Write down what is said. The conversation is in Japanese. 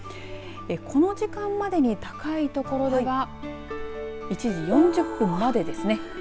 この時間までに高いところでは１時４０分までですね。